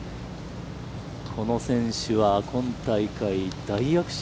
この選手はこの大会、大躍進。